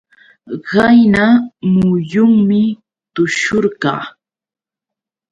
Qayna muyunmi tushurqaa.